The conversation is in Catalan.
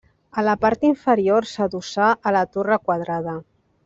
A la part inferior s'adossà a la torre quadrada.